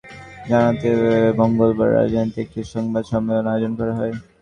Online Baishakhi মেলার বিস্তারিত জানাতে মঙ্গলবার রাজধানীতে একটি সংবাদ সম্মেলনের আয়োজন করা হয়।